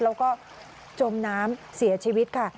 แล้วก็จมน้ำเสียชีวิตค่ะ